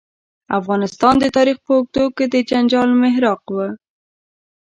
افغانستان د تاریخ په اوږدو کې د جنجال محراق و.